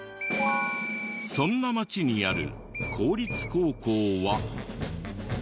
そんな町にある公立高校は。